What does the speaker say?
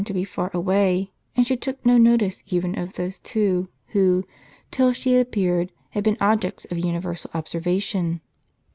to be far away ; and she took no notice even of those two who, till she appeared, had been objects of universal observation.